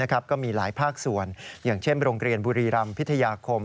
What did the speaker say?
ก็มีหลายภาคส่วนอย่างเช่นโรงเรียนบุรีรำพิทยาคม